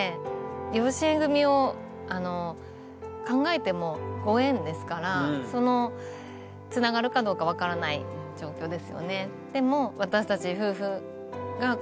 養子縁組を考えてもご縁ですからつながるかどうか分からない状況ですよね。